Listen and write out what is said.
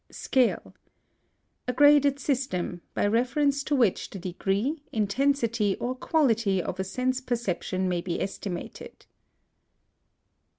SCALE. A graded system, by reference to which the degree, intensity, or quality of a sense perception may be estimated.